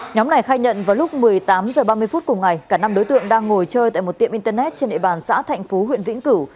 nhóm này khai nhận vào lúc một mươi tám h ba mươi phút cùng ngày cả năm đối tượng đang ngồi chơi tại một tiệm internet trên địa bàn xã thạnh phú huyện vĩnh cửu